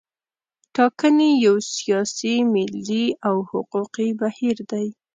ټاکنې یو سیاسي، ملي او حقوقي بهیر دی.